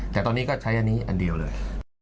แต่ตอนนี้ก็ใช้อันเดียวเลย